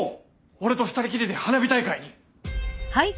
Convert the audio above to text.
俺と２人きりで花火大会に。